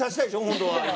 本当は今。